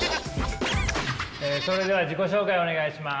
それでは自己紹介お願いします。